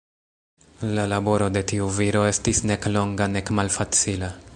La laboro de tiu viro estis nek longa nek malfacila.